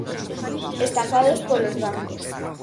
Estafados polos bancos.